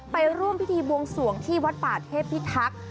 ไปร่วมพิธีบวงสวงที่วัดป่าเทพิทักษ์